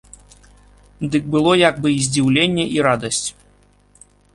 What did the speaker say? Дык было як бы і здзіўленне і радасць.